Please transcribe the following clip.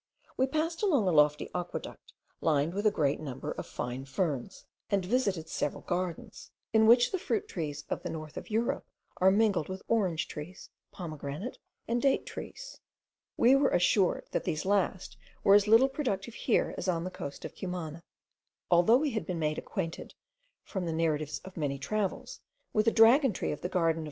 We passed along a lofty aqueduct, lined with a great number of fine ferns; and visited several gardens, in which the fruit trees of the north of Europe are mingled with orange trees, pomegranate, and date trees. We were assured, that these last were as little productive here as on the coast of Cumana. Although we had been made acquainted, from the narratives of many travellers, with the dragon tree of the garden of M.